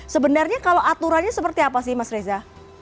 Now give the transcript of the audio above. sebenarnya kalau aturannya seperti apa sih mas reza